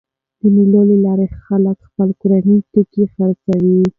د مېلو له لاري خلک خپل کورني توکي خرڅوي.